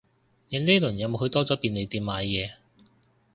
你呢輪有冇去多咗便利店買嘢